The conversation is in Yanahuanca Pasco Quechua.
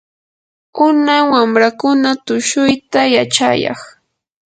unay wamrakuna tushuyta yachayaq.